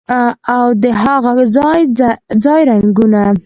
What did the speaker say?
او د هاغه ځای رنګونه